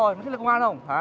mày thích lấy công an không